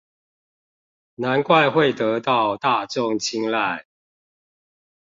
難怪會得到大眾親睞